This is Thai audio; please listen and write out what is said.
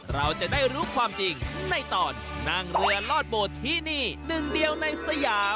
เราจะได้รู้ความจริงในตอนนั่งเรือลอดโบสถ์ที่นี่หนึ่งเดียวในสยาม